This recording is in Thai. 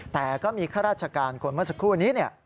แต่ก็มีข้าราชการคนเมื่อสักครู่นี้